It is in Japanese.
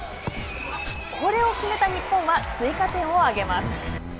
これを決めた日本は追加点を挙げます。